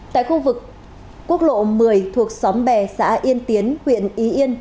tại khu vực quốc lộ một mươi thuộc xóm bè xã yên tiến huyện ý yên